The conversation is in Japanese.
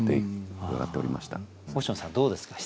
星野さんどうですか？